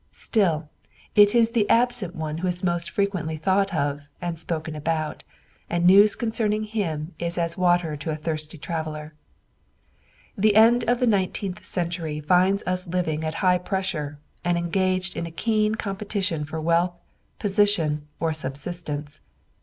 Still, it is the absent one who is most frequently thought of and spoken about, and news concerning him is as water to a thirsty traveller. The end of the nineteenth century finds us living at high pressure, and engaged in a keen competition for wealth, position or subsistence.